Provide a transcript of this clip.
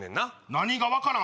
何が分からん？